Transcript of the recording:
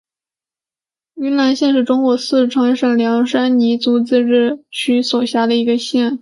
宁南县是中国四川省凉山彝族自治州所辖的一个县。